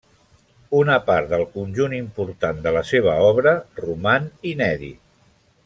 Una part del conjunt important de la seva obra roman inèdit.